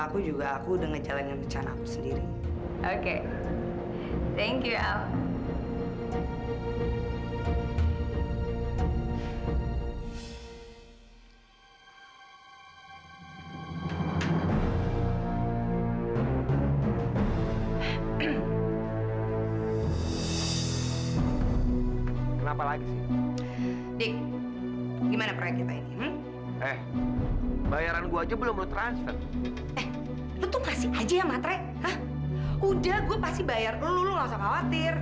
hah udah gua pasti bayar dulu lu gausah khawatir